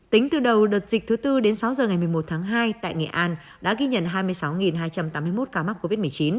tính từ đầu đợt dịch thứ tư đến sáu giờ ngày một mươi một tháng hai tại nghệ an đã ghi nhận hai mươi sáu hai trăm tám mươi một ca mắc covid một mươi chín